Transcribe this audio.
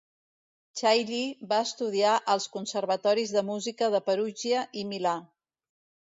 Chailly va estudiar als conservatoris de música de Perugia i Milà.